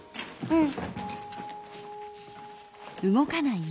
うん。